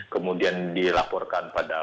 kemudian dilaporkan pada